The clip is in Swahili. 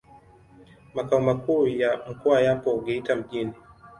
Makao makuu ya mkoa yapo Geita mjini.